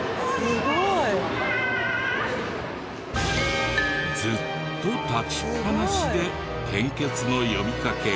すごい！ずっと立ちっぱなしで献血の呼びかけを。